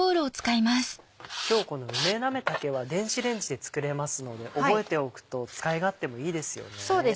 今日この梅なめたけは電子レンジで作れますので覚えておくと使い勝手もいいですよね。